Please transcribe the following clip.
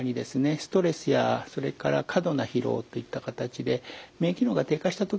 ストレスやそれから過度な疲労といった形で免疫機能が低下した時にですね